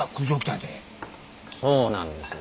そうなんです。